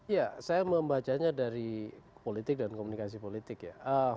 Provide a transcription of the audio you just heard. ya saya membacanya dari politik dan komunikasi politik ya